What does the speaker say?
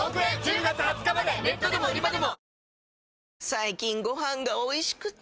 最近ご飯がおいしくて！